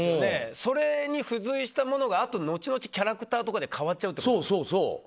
それに付随したものが後々、キャラクターとかで変わっちゃうってことですか？